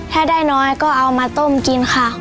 ถ้าได้น้อยก็เอามาต้มกินค่ะ